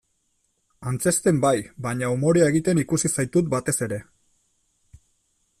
Antzezten bai, baina umorea egiten ikusi zaitut batez ere.